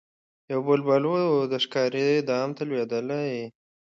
یو بلبل وو د ښکاري دام ته لوېدلی